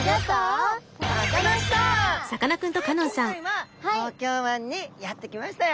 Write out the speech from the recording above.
さあ今回は東京湾にやって来ましたよ。